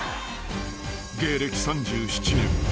［芸歴３７年。